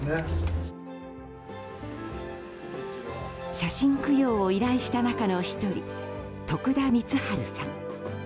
写真供養を依頼した中の１人徳田光治さん。